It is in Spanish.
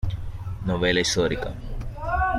Novela histórica.